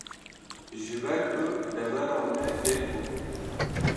ji ber ku devera me yek bû